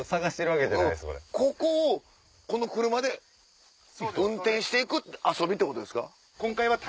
ここをこの車で運転して行く遊びってことですか？